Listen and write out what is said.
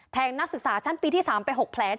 แทงนักศึกษาชั้นปี๓ไป๖แผล